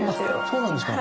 そうなんですか？